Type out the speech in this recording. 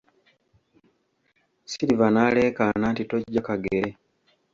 Silver n'aleekaana nti toggya kagere.